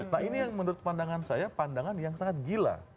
nah ini yang menurut pandangan saya pandangan yang sangat gila